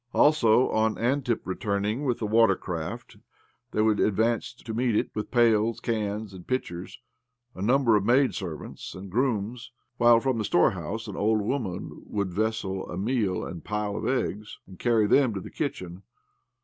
Also, on Antip returning with the watercart, there would advance to meet it, with pails, cans, and pitchers, a number of maidservants and grooms, while from the storehouse an old woman would produce a vessel of meal and a pile of eggs, and carry them to the kitchen.